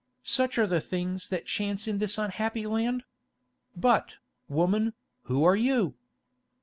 Such are the things that chance in this unhappy land. But, woman, who are you?"